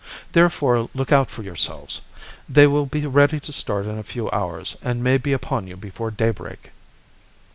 Therefore look out for yourselves. They will be ready to start in a few hours, and may be upon you before daybreak.